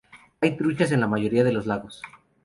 Hay truchas en la mayoría de los lagos.